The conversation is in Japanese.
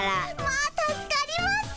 まあ助かります。